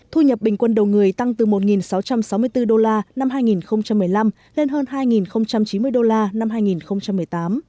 thu nhập bình quân đầu người tăng từ một sáu trăm sáu mươi bốn đô la năm hai nghìn một mươi năm lên hơn hai chín mươi đô la năm hai nghìn một mươi tám